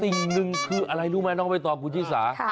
ติ่งนึงคืออะไรรู้มั้ยน้องไว้ตอนกูจีสา